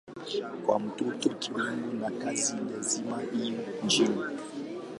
Kwa watoto kiwango na kasi lazima iwe chini.